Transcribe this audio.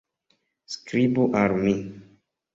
Skribu al mi!